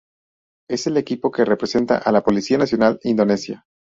Es el equipo que representa a la Policía Nacional Indonesia.